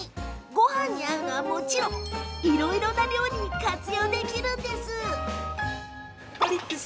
ごはんに合うのはもちろんいろんな料理に活用できるんです。